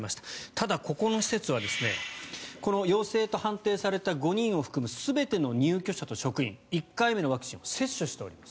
ただ、ここの施設は陽性と判定された５人を含む全ての入居者と職員１回目のワクチンを接種しております。